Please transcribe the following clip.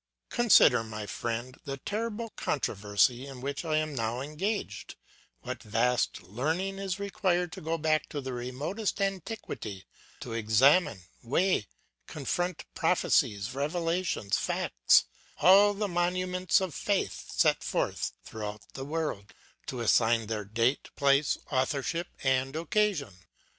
"Consider, my friend, the terrible controversy in which I am now engaged; what vast learning is required to go back to the remotest antiquity, to examine, weigh, confront prophecies, revelations, facts, all the monuments of faith set forth throughout the world, to assign their date, place, authorship, and occasion.